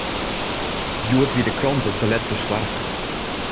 Hjoed wie de krante te let besoarge.